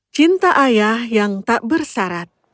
cinta ayah yang tak bersarat